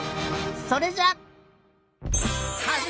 それじゃ！